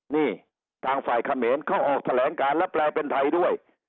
นี่ทางฝ่ายเขมรเขาออกแถลงการแล้วแปลเป็นไทยด้วย